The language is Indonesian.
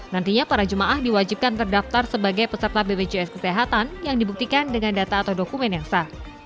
nantinya para jemaah diwajibkan terdaftar sebagai peserta bpjs kesehatan yang dibuktikan dengan data atau dokumen yang sah